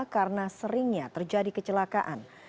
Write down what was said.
karena seringnya terjadi kecelakaan